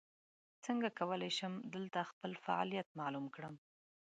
څنګه کولی شم دلته خپل فعالیت معلوم کړم ؟